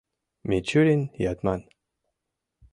Мичурин-Ятман